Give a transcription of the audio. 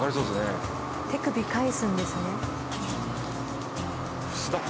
手首返すんですね。